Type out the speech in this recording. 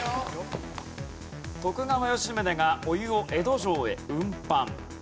徳川吉宗がお湯を江戸城へ運搬。